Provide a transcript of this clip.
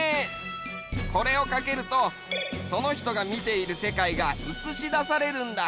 これをかけるとその人が見ているせかいがうつしだされるんだ。